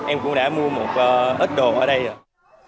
em cũng đã mua một ít đồ ở đây rồi